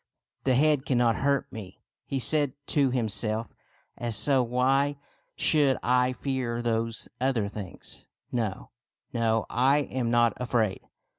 '* The head cannot hurt me," he said to himself ;" and so why should I fear those other things ? No, no, I am not afraid."